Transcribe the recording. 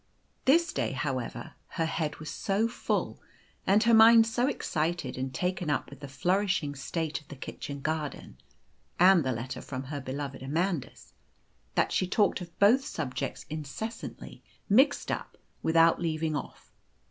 This day, however, her head was so full, and her mind so excited and taken up with the flourishing state of the kitchen garden, and the letter from her beloved Amandus, that she talked of both subjects incessantly, mixed up, without leaving off.